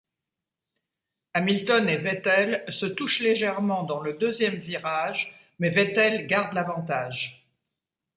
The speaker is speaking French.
Hamilton et Vettel se touchent légèrement dans le deuxième virage mais Vettel garde l’avantage.